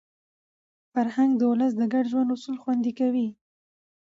فرهنګ د ولس د ګډ ژوند اصول خوندي کوي.